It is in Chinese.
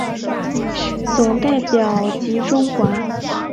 总代表吉钟华。